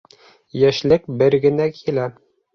Йәшлек бер генә килә.